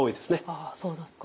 あそうですか。